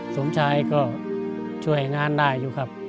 สมชายก็ช่วยงานได้อยู่ครับ